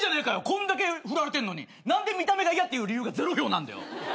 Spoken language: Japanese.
こんだけ振られてんのに何で見た目が嫌っていう理由がゼロ票なんだよ。